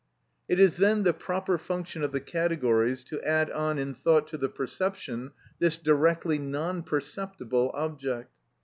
It is then the proper function of the categories to add on in thought to the perception this directly non perceptible object.